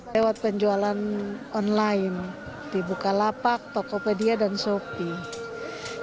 lewat penjualan online di bukalapak tokopedia dan shopee